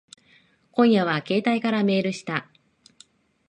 今夜は携帯からメールした。